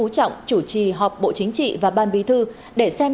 xin chào quý vị và các bạn